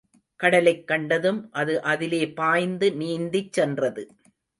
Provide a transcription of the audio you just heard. கடலைக் கண்டதும் அது அதிலே பாய்ந்து நீந்திச் சென்றது.